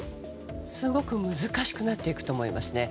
すごく難しくなっていくと思いますね。